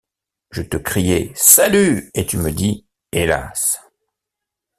Je te criai: Salut! et tu me dis : Hélas !